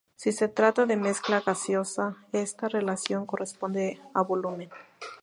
Si se trata de mezcla gaseosa esta relación corresponde a volumen.